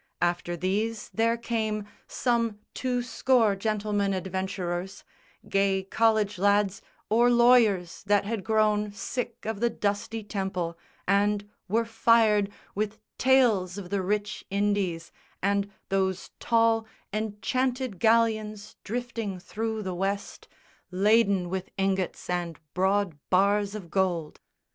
After these there came Some two score gentleman adventurers, Gay college lads or lawyers that had grown Sick of the dusty Temple, and were fired With tales of the rich Indies and those tall Enchanted galleons drifting through the West, Laden with ingots and broad bars of gold.